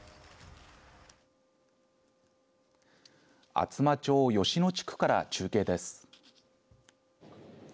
厚真町吉野地区から中継です。